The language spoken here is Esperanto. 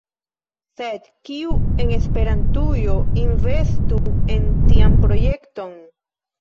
Sed kiu en Esperantujo investu en tian projekton?